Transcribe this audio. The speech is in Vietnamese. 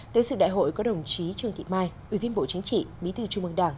tới sự đại hội có đồng chí trương thị mai ủy viên bộ chính trị bí thư trung mương đảng